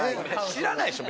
知らないでしょ